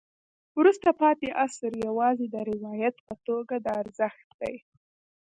وروسته پاتې عصر یوازې د روایت په توګه د ارزښت دی.